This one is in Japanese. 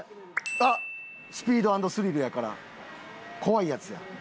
あっスピード＆スリルやから怖いやつや。